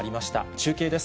中継です。